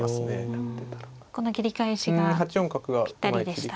この切り返しがぴったりでしたか。